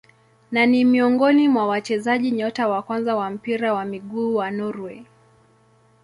Na ni miongoni mwa wachezaji nyota wa kwanza wa mpira wa miguu wa Norway.